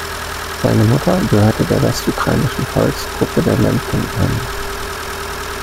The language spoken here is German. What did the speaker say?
Seine Mutter gehörte der westukrainischen Volksgruppe der Lemken an.